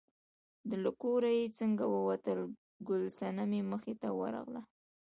له کوره چې څنګه ووتل، ګل صنمې مخې ته ورغله.